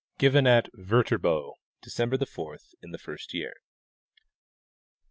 Given at Viterbo December 4th, in the first 3^ear.